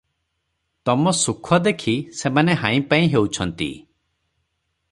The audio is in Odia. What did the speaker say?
ତମ ସୁଖ ଦେଖି ସେମାନେ ହାଇଁପାଇଁ ହେଉଛନ୍ତି ।